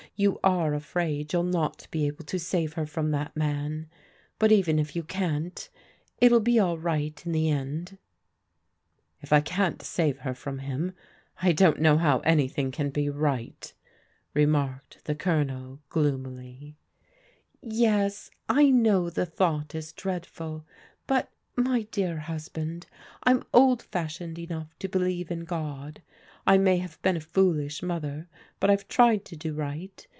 You are afraid you'll not be able to save her from that man. But even if yoti can't, it'll be all right m the end." " If I can't save her from him I don't know haw anjr tiiing can be rii^t, remarked the Colonel gloomily. THE GIRLS TAKE FRENCH LEAVE 129 Yes, I know the thought is dreadful, but, my dear husband, I'm old fashioned enough to believe in God. I may have been a foolish mother, but I've tried to do right.